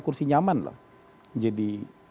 kursi nyaman loh jadi